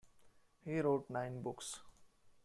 He wrote nine books.